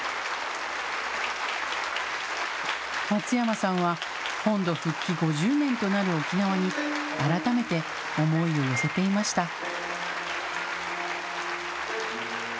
松山さんは、本土復帰５０年となる沖縄に、改めて思いを寄せていました。